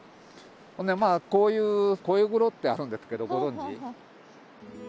こういうコエグロってあるんですけどご存じ？